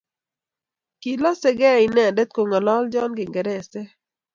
Kilosei gei inende koong'olonchon kiingeresek